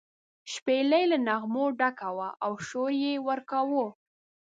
شپېلۍ یې له نغمو ډکه وه او شور یې ورکاوه.